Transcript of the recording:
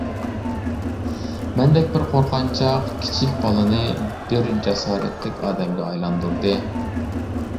مەندەك بىر قورقۇنچاق كىچىك بالىنى بىر جاسارەتلىك ئادەمگە ئايلاندۇردى.